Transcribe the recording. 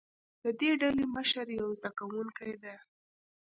د دې ډلې مشر یو زده کوونکی دی.